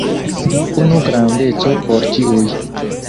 Unu grandeco por ĉiuj.